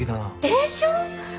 でしょ？